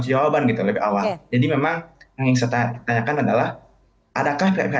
jawaban gitu lebih awal jadi memang yang saya tanyakan adalah adakah